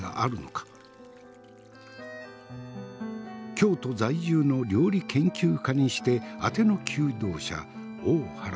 京都在住の料理研究家にしてあての求道者大原千鶴。